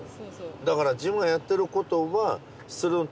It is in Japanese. だから自分がやってることはそれを。